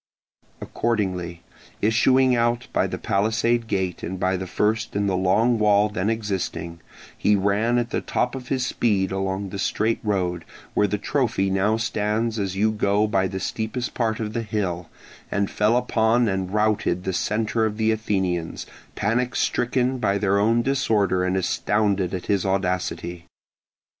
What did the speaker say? Accordingly issuing out by the palisade gate and by the first in the long wall then existing, he ran at the top of his speed along the straight road, where the trophy now stands as you go by the steepest part of the hill, and fell upon and routed the centre of the Athenians, panic stricken by their own disorder and astounded at his audacity.